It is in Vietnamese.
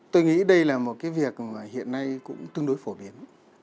tôi nghĩ đây là một cái việc mà hiện nay cũng tương đối phổ biến